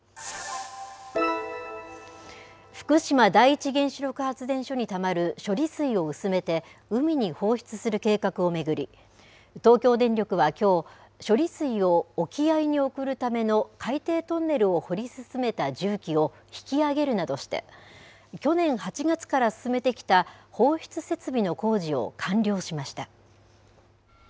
福島第一原子力発電所にたまる処理水を薄めて海に放出する計画を巡り、東京電力はきょう、処理水を沖合に送るための海底トンネルを掘り進めた重機を引き揚げるなどして、去年８月から進めてきた放出設備の工事を完了しました。